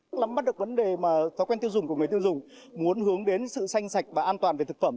cũng lắm bắt được vấn đề mà thói quen tiêu dùng của người tiêu dùng muốn hướng đến sự xanh sạch và an toàn về thực phẩm